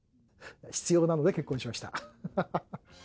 必要なので結婚しました。